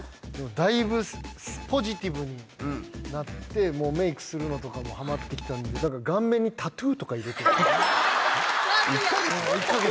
だいぶポジティブになってもうメイクするのとかもハマってきたので顔面にタトゥーとか入れる１か月で？